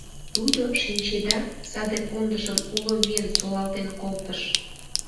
Тудо, шинчеда, саде пондыжым уло вийын солалтен колтыш.